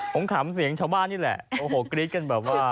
ผมขำเสียงชาวบ้านนี่แหละโอ้โหกรี๊ดกันแบบว่า